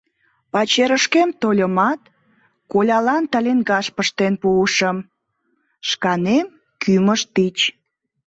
Пачерышкем тольымат, колялан талиҥгаш пыштен пуышым, шканем — кӱмыж тич.